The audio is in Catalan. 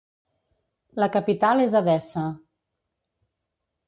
La capital és Edessa.